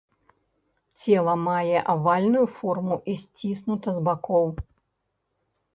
Цела мае авальную форму і сціснута з бакоў.